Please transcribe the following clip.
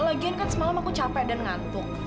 lagian kan semalam aku capek dan ngantuk